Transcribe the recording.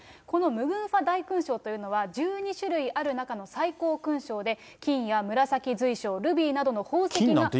このムグンファ大勲章というのは１２種類ある中の最高勲章で、金や紫水晶、ルビーなどの宝石が。